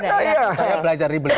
saya belajar ribet